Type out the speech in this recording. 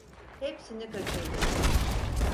Hepsini kaçırdık…